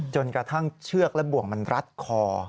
จนกระทั่งเชือกและบ่วงมันรัดคอ